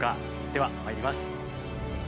ではまいります。